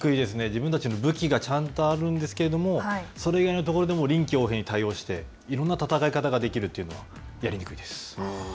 自分たちの武器が、ちゃんとあるんですけれどもそれ以外のところでも臨機応変に対応していろんな戦いができるというのはやりにくいです。